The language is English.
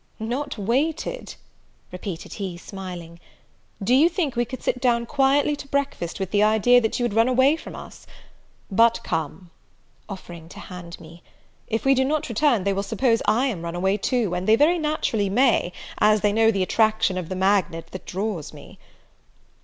"Not waited!" repeated he, smiling: "Do you think we could sit down quietly to breakfast, with the idea that you had run away from us? But come," (offering to hand me) "if we do not return, they will suppose I am run away too; and they very naturally may, as they know the attraction of the magnet that draws me."